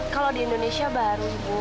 kalau di indonesia baru ibu